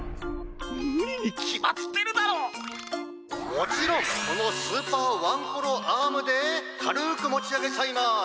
もちろんこのスーパーワンコロアームでかるくもちあげちゃいます。